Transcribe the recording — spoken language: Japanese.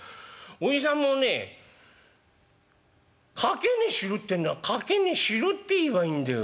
おじさんもね掛値しろってんなら掛値しろって言えばいいんだよ。